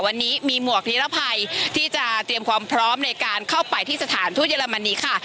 วันนี้มีหมวกนิรภัยที่จะเตรียมความพร้อมในการเข้าไปที่สถานทูตเยอรมนีค่ะ